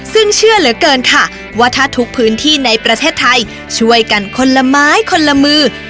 ซึ่งเชื่อเหลือเกินค่ะว่าถ้าทุกพื้นที่ในประเทศไทยช่วยกันคนละไม้คนละมือ